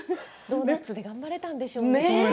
ドーナツで頑張れたんでしょうね。